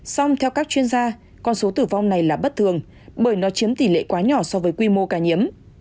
song theo các chuyên gia con số tử vong này là bất thường bởi nó chiếm tỷ lệ quá nhỏ so với quy mô ca nhiễm